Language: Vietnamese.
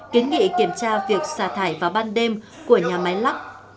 kiến nghị kiểm tra việc xà thải vào ban đêm của nhà máy lắc